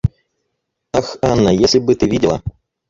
Ах, Анна, если бы ты видела!